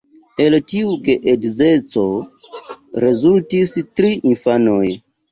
El tiu geedzeco rezultis tri infanoj.